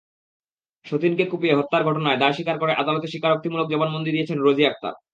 সতিনকে কুপিয়ে হত্যার ঘটনায় দায় স্বীকার করে আদালতে স্বীকারোক্তিমূলক জবানবন্দি দিয়েছেন রোজি আক্তার।